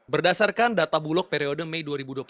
berdasarkan data bulog periode mei dua ribu dua puluh satu